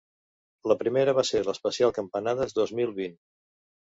La primera va ser l’especial campanades dos mil vint.